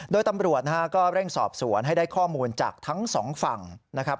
โดยตำรวจนะฮะก็เร่งสอบสวนให้ได้ข้อมูลจากทั้งสองฝั่งนะครับ